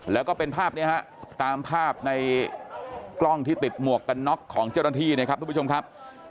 แล้วก็เป็นภาพนี้ฮะตามภาพในกล้องที่ติดหมวกกันน็อกของเจ้าหน้าที่นะครับทุกผู้ชมครับ